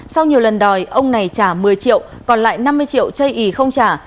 sau nhiều lần đòi ông này trả một mươi triệu còn lại năm mươi triệu chây ý không trả